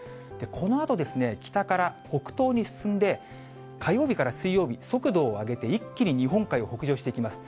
このあと、北から北東に進んで、火曜日から水曜日、速度を上げて、一気に日本海を北上していきます。